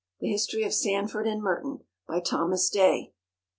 The History of Sandford and Merton. By THOMAS DAY.